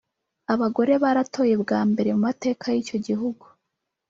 abagore baratoye bwa mbere mu mateka y’icyo gihugu